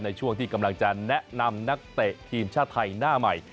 ในช่วงที่กำลังจะแนะนำนักเตะทีมชาติไทยหน้าใหม่